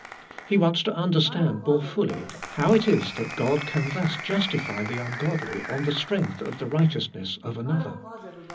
He wants to under stand more fully how it is that God can thus justify the ungodly on the strength of the righteousness of another.